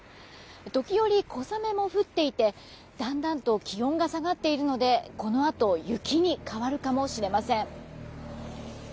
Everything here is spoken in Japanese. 時折、小雨も降っていてだんだんと気温が下がっているのでこのあと雪に変わるかもしれません。